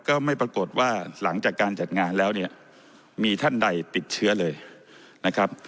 ก็ไม่ปรากฏว่าหลังจากการจัดงานแล้วเนี่ยมีท่านใดติดเชื้อเลยนะครับ